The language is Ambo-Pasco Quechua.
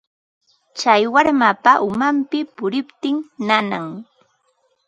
Tsay warmapa umanmi puriptin nanan.